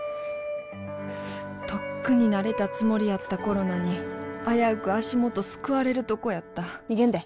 とっくに慣れたつもりやったコロナに危うく足元すくわれるとこやった逃げんで。